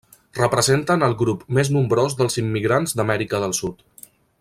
Representen el grup més nombrós dels immigrants d'Amèrica del Sud.